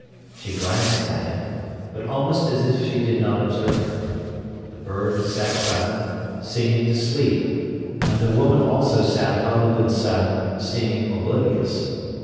She glanced at him, but almost as if she did not observe him. The bird sat silent, seeming to sleep, and the woman also sat huddled and silent, seeming oblivious.